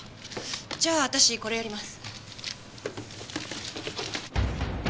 じゃあ私これやります。